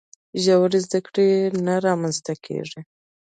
ژورې زده کړې نه رامنځته کیږي.